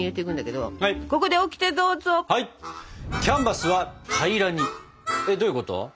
どういうこと？